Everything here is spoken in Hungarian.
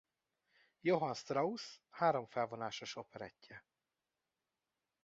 Johann Strauss háromfelvonásos operettje.